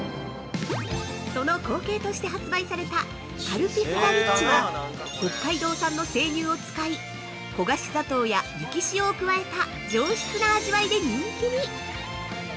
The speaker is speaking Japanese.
その後継として発売された「カルピスＴＨＥＲＩＣＨ」は、北海道産の生乳を使い焦がし砂糖や、雪塩を加えた上質な味わいで人気に。